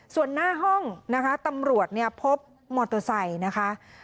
ส่วนหน้าห้องนะคะตำรวจเนี่ยพบมอเตอร์ไซค์นะคะ